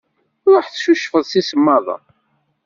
Ṛuḥ tcucfeḍ s isemmaḍen.